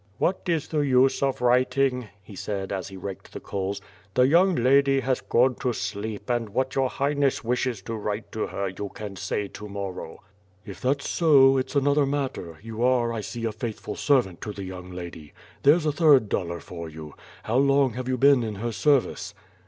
"What is the use of writing," he said, as he raked the coals, "the young lady has gone to sleep and what your Highness wishes to write to her you can say to morrow." "If that's so, it's another matter, you are, I see a faithful servant to the young lady. There's a third dollar for you. How long have you been in her service?"